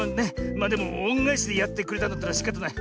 まあでもおんがえしでやってくれたんだったらしかたない。